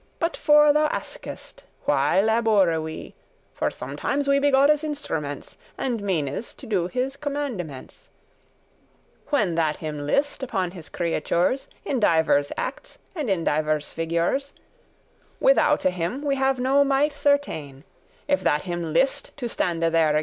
*But for* thou askest why laboure we: *because* For sometimes we be Godde's instruments And meanes to do his commandements, When that him list, upon his creatures, In divers acts and in divers figures: Withoute him we have no might certain, If that him list to stande thereagain.